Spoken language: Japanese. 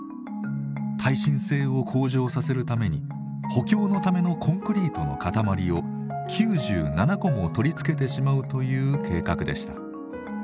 耐震性を向上させるために補強のためのコンクリートの塊を９７個も取り付けてしまうという計画でした。